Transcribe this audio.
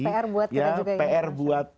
pr buat kita juga ya pr buat